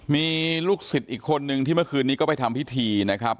มีลูกศิษย์อีกคนนึงที่เมื่อคืนนี้ก็ไปทำพิธีนะครับ